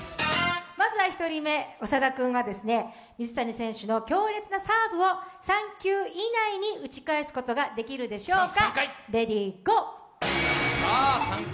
まずは１人目、長田君は水谷選手の強烈なサーブを３球以内に打ち返すことができるんでしょうか？